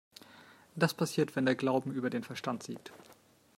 Das passiert, wenn der Glauben über den Verstand siegt.